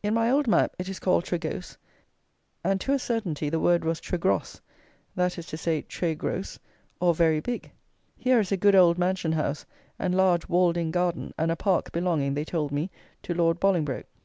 In my old map it is called Tregose; and to a certainty the word was Tregrosse; that is to say, très grosse, or very big. Here is a good old mansion house and large walled in garden and a park belonging, they told me, to Lord Bolingbroke.